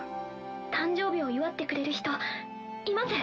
誕生日を祝ってくれる人います。